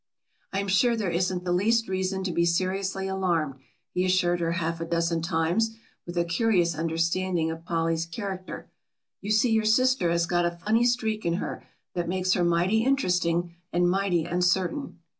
"I am sure there isn't the least reason to be seriously alarmed," he assured her half a dozen times with a curious understanding of Polly's character; "you see your sister has got a funny streak in her that makes her mighty interesting and mighty uncertain."